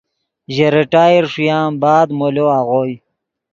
ژے ریٹائر ݰویان بعد مولو آغوئے